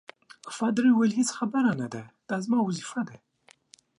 پادري وویل: هیڅ خبره نه ده، دا زما وظیفه ده.